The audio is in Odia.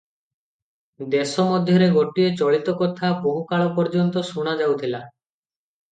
ଦେଶ ମଧ୍ୟରେ ଗୋଟିଏ ଚଳିତ କଥା ବହୁକାଳ ପର୍ଯ୍ୟନ୍ତ ଶୁଣା ଯାଉଥିଲା